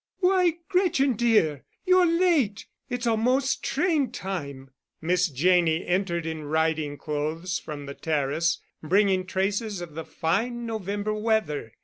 "Why, Gretchen, dear! You're late. It's almost train time." Miss Janney entered in riding clothes from the terrace, bringing traces of the fine November weather.